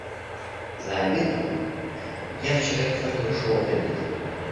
За обедом... я вчера едва не ушел от обеда.